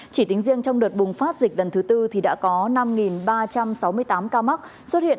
chỉ tính riêng trong đợt bùng phát dịch lần thứ tư thì đã có năm ba trăm sáu mươi tám ca mắc xuất hiện